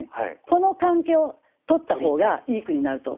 この関係を取った方がいい句になると。